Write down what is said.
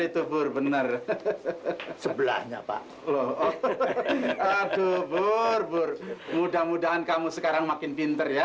itu buru benar sebelahnya pak aduh buru mudah mudahan kamu sekarang makin pinter ya